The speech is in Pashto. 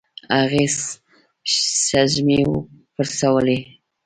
هغې سږمې وپړسولې.